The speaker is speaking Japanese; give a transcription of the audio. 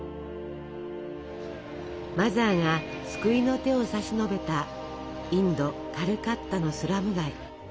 マザーが救いの手を差し伸べたインド・カルカッタのスラム街。